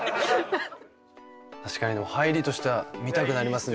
確かにでも入りとしては見たくなりますね。